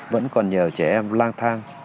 vẫn còn nhờ trẻ em lang thang